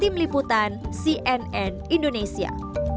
tim liputan cnn indonesia